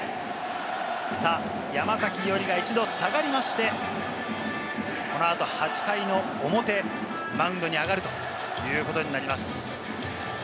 山崎伊織が一度下がりまして、この後、８回の表、マウンドに上がるということになります。